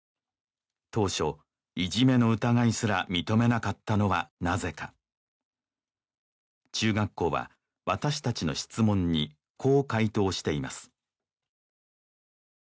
当初いじめの疑いすら認めなかったのはなぜか中学校は私たちの質問にこう回答しています